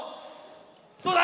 どうだ！